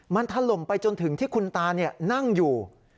มันถล่มไปจนถึงที่คุณตานั่งอยู่